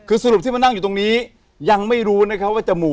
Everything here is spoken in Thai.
คือสรุปที่มานั่งอยู่ตรงนี้ยังไม่รู้นะครับว่าจมูก